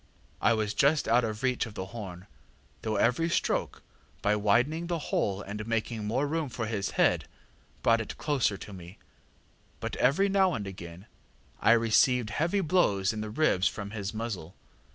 I was just out of reach of the horn, though every stroke, by widening the hole and making more room for his head, brought it closer to me, but every now and again I received heavy blows in the ribs from his muzzle.